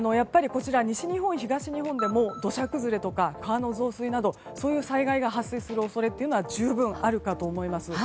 西日本、東日本でも土砂崩れとか川の増水などそういう災害が発生する恐れは十分あるかと思います。